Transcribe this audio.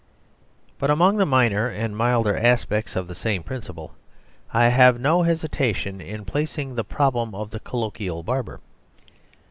..... But among the minor and milder aspects of the same principle, I have no hesitation in placing the problem of the colloquial barber.